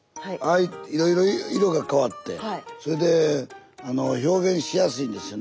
いろいろ色が変わってそれで表現しやすいんですよね。